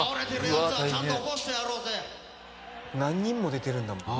「何人も出てるんだもん」